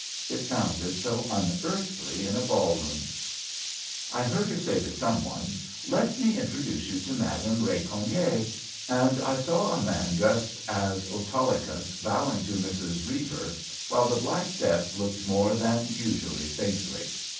It soonded so nn* earthly in a ballroom* I heard her say to some one :^^ Let me introduce you to Madame Becamier/' and I saw a man dressed as Autolycus bowing to Mrs. Eeiver, while The Black Death looked more than usually saintly.